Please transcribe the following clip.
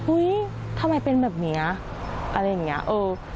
อุ๊ยทำไมเป็นแบบเนี้ยอะไรอย่างเงี้ย